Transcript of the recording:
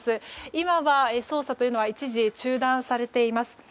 今は、捜査というのは一時中断されています。